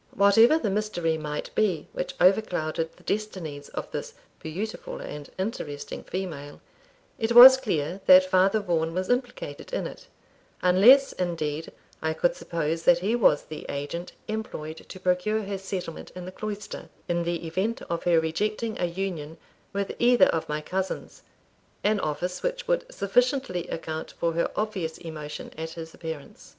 Whatever the mystery might be which overclouded the destinies of this beautiful and interesting female, it was clear that Father Vaughan was implicated in it; unless, indeed, I could suppose that he was the agent employed to procure her settlement in the cloister, in the event of her rejecting a union with either of my cousins, an office which would sufficiently account for her obvious emotion at his appearance.